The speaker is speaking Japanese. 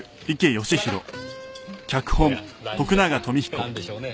何でしょうねえ。